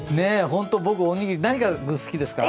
本当、僕、おにぎり、何の具が好きですか？